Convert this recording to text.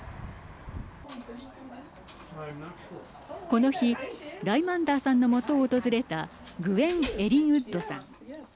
この日、ライマンダーさんの元を訪れたグウェン・エリンウッドさん。